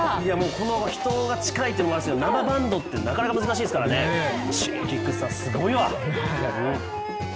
この人が近いというのもありますけれども生バンドってなかなか難しいですからね、Ｓｈｉｇｅｋｉｘさん、すごいわ！